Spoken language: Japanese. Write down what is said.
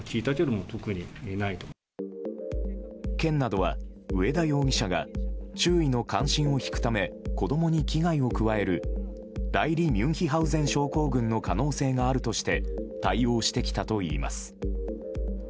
県などは、上田容疑者が周囲の関心を引くため子供に危害を加える代理ミュンヒハウゼン症候群の可能性があるとして対応してきたといいます。